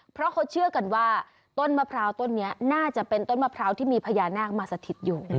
เพราะเขาเชื่อกันว่าต้นมะพร้าวต้นนี้น่าจะเป็นต้นมะพร้าวที่มีพญานาคมาสถิตอยู่